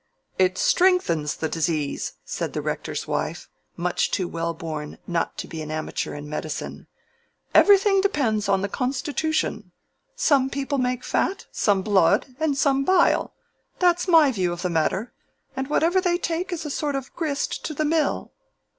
"It strengthens the disease," said the Rector's wife, much too well born not to be an amateur in medicine. "Everything depends on the constitution: some people make fat, some blood, and some bile—that's my view of the matter; and whatever they take is a sort of grist to the mill."